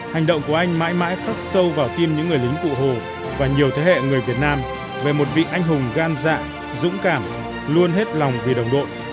hành động của anh mãi mãi khắc sâu vào tim những người lính cụ hồ và nhiều thế hệ người việt nam về một vị anh hùng gan dạng dũng cảm luôn hết lòng vì đồng đội